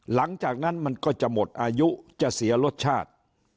หลังจากนั้นมันก็จะหมดอายุจะเสียรสชาติ